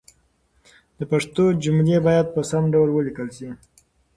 د پښتو جملې باید په سم ډول ولیکل شي.